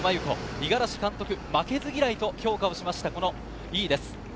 五十嵐監督が負けず嫌いと評価した伊井です。